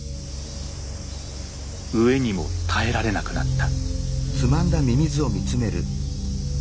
飢えにも耐えられなくなった。